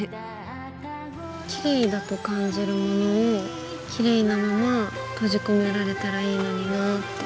きれいだと感じるものをきれいなまま閉じ込められたらいいのになぁって。